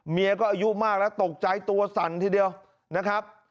เมียก็อายุมากแล้วตกใจตัวสั่นทีเดียวนะครับ